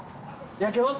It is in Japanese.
焼けます？